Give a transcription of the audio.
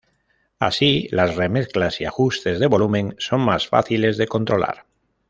Así, las remezclas y ajustes de volumen son más fáciles de controlar.